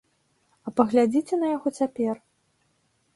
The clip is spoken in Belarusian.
А паглядзіце на яго цяпер?